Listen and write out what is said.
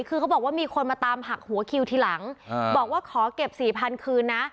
คือเขาบอกว่ามีคนมาตามหักหัวคิวทีหลังบอกว่าขอเก็บ๔๐๐๐คืนนะ